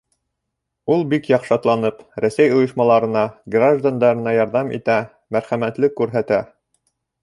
Ул бик яҡшатланып, Рәсәй ойошмаларына, граждандарына ярҙам итә, мәрхәмәтлек күрһәтә.